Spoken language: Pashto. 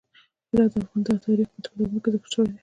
هرات د افغان تاریخ په کتابونو کې ذکر شوی دي.